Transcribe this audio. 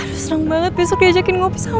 harus senang banget besok diajakin kopi sama mas reni